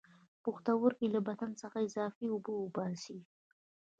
پښتورګي له بدن څخه اضافي اوبه وباسي